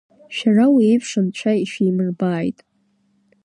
Шәара уи еиԥш анцәа ишәимырбааит.